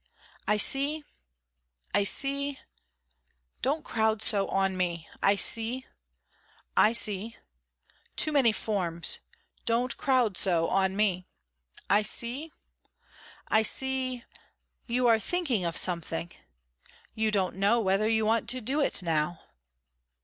"I see I see don't crowd so on me, I see I see too many forms don't crowd so on me I see I see you are thinking of something you don't know whether you want to do it now.